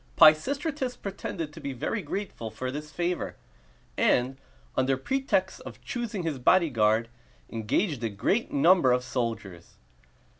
Pisistratus pretended to be very grateful for this favor, and, under pretext of choosing his bodyguard, engaged a great number of soldiers.